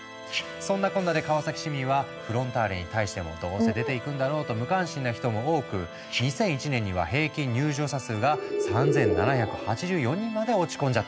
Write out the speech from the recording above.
そんなこんなで川崎市民はフロンターレに対しても「どうせ出ていくんだろう」と無関心な人も多く２００１年には平均入場者数が３７８４人まで落ち込んじゃったんだ。